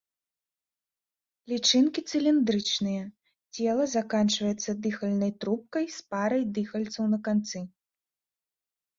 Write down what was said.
Лічынкі цыліндрычныя, цела заканчваецца дыхальнай трубкай з парай дыхальцаў на канцы.